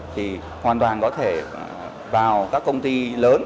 thì hoàn toàn có thể vào các công ty lớn